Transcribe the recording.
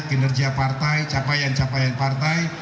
kinerja partai capaian capaian partai